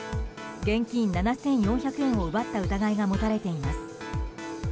現金７４００円を奪った疑いが持たれています。